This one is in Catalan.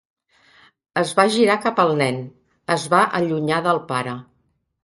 Es va girar cap al nen; es va allunyar del pare.